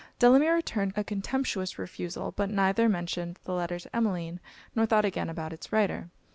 Delamere returned a contemptuous refusal; but neither mentioned the letter to Emmeline, nor thought again about it's writer.